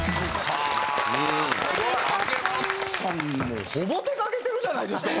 もうほぼ手がけてるじゃないですか！